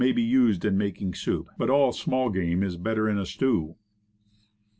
105 be used in making soup; but all small game is better in a stew.